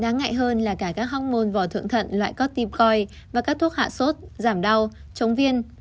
đáng ngại hơn là cả các hormôn vò thượng thận loại corticoid và các thuốc hạ sốt giảm đau chống viên